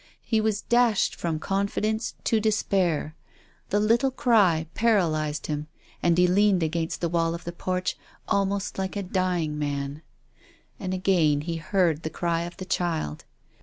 He was dashed from confidence to despair. The little cry paralysed him, and he leaned against the wall of the porch almost like a dying man. And again he heard the cry of the child.